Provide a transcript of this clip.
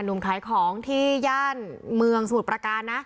หนุ่มขายของที่ย่านเมืองสมุทรประการนะ